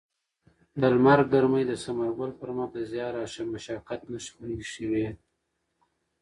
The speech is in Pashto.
د لمر ګرمۍ د ثمرګل پر مخ د زیار او مشقت نښې پرېښې وې.